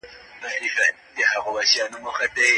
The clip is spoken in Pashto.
دولت باید د فساد مخه ونیسي.